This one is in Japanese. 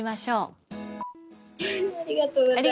ありがとうございます。